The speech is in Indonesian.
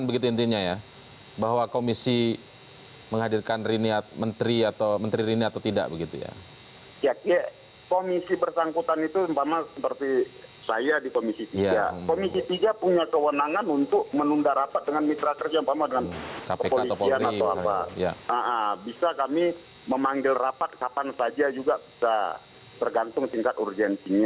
bisa kami memanggil rapat kapan saja juga tergantung tingkat urgensinya